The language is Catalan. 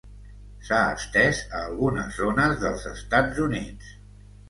S'ha estès a algunes zones dels Estats Units.